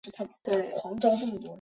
随后当地百姓自立冶县。